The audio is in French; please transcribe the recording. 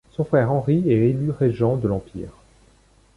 Son frère Henri est élu régent de l’empire.